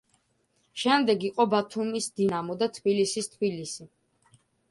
შემდეგ იყო ბათუმის „დინამო“ და თბილისის „თბილისი“.